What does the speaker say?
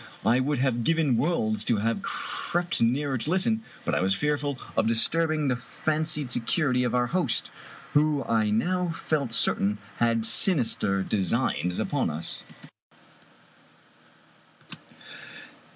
I would have given worlds to have S3 Irish Mystery Stories crept nearer to listen ; but I was fearful of disturbing the fancied security of our host, who I now felt certain had sinister designs upon us.